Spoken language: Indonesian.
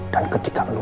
dan ketika lo pulih